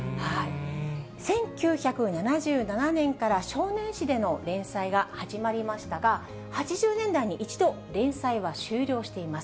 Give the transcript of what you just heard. １９７７年から少年誌での連載が始まりましたが、８０年代に一度、連載は終了しています。